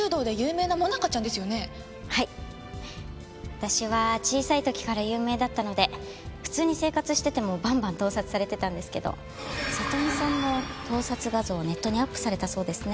私は小さい時から有名だったので普通に生活しててもバンバン盗撮されてたんですけど里美さんも盗撮画像をネットにアップされたそうですね。